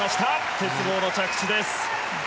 鉄棒の着地です。